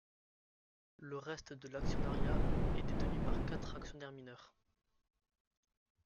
Le reste de l'actionnariat est détenu par quatre actionnaires mineurs.